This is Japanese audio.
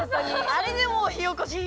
あれでもうひおこしひ